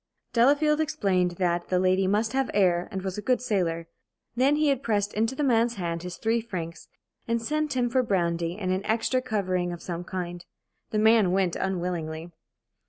Delafield explained that the lady must have air, and was a good sailor. Then he pressed into the man's hand his three francs, and sent him for brandy and an extra covering of some kind. The man went unwillingly.